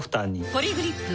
ポリグリップ